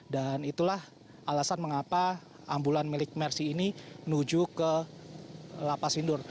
dan itulah alasan mengapa ambulan milik mercy ini menuju ke lapas sindur